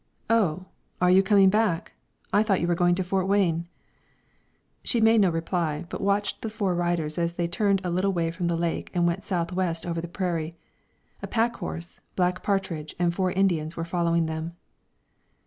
"Oh, are you coming back? I thought you were going to Fort Wayne." She made no reply, but watched the four riders as they turned a little away from the lake and went south west over the prairie. A pack horse, Black Partridge, and four other Indians were following them.